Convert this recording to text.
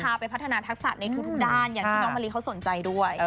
ไปพัฒนาทักษะในทุกด้านอย่างที่น้องมะลิเขาสนใจด้วย